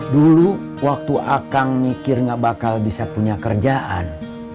dulu waktu akang mikir gak bakal bisa punya kerjaan